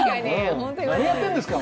何やってんですか。